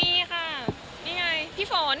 นี่ค่ะนี่ไงพี่ฝน